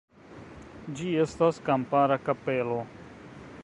Ĝi estas kampara kapelo.